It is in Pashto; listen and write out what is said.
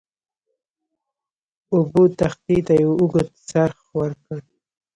اوبو تختې ته یو اوږد څرخ ورکړ.